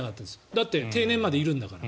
だって定年までいるんだから。